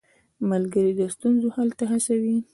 ملګری د ستونزو حل ته هڅوي.